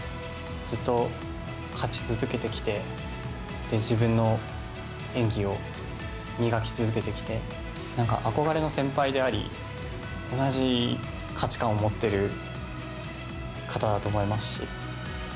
ずっと勝ち続けてきて、自分の演技を磨き続けてきて、なんか憧れの先輩であり、同じ価値観を持ってる方だと思いますし。